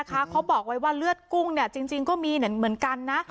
เขาบอกไว้ว่าเลือดกุ้งจริงก็มีเหมือนกันนะ